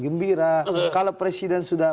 gembira kalau presiden sudah